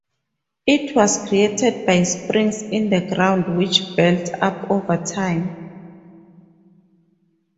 It was created by springs in the ground, which built up over time.